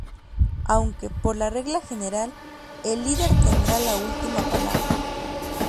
Aunque, por regla general, el líder tendrá la última palabra.